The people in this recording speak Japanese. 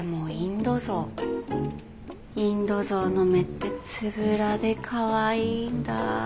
インド象の目ってつぶらでかわいいんだ。